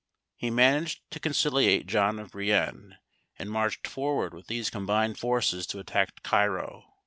He managed to conciliate John of Brienne, and marched forward with these combined forces to attack Cairo.